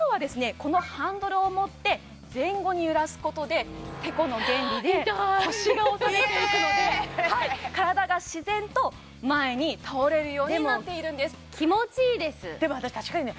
このハンドルを持って前後に揺らすことでテコの原理で痛い腰が押されていくのではい体が自然と前に倒れるようになっているんですでも私確かにね